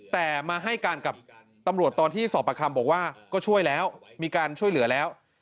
แต่มาให้การกับตำรวจตอนที่สอบประคำบอกว่าก็ช่วยแล้วมีการช่วยเหลือแล้ว